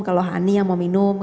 kalau hani yang mau minum